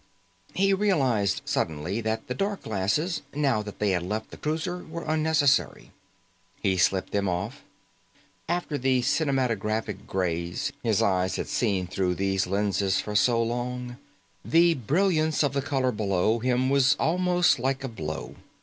He realized suddenly that the dark glasses, now that they had left the cruiser, were unnecessary. He slipped them off. After the cinematographic grays his eyes had seen through these lenses for so long, the brilliance of the color below him was almost like a blow.